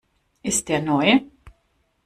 Ist der neu?